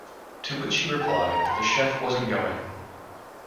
To which she replied that the chef wasn't going.